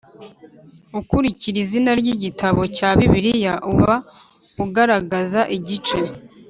ukurikira izina ry igitabo cya Bibiliya uba ugaragaza igice